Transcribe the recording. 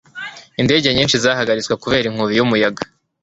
indege nyinshi zahagaritswe kubera inkubi y'umuyaga